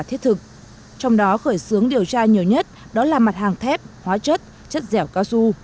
thiết thực trong đó khởi xướng điều tra nhiều nhất đó là mặt hàng thép hóa chất chất dẻo cao su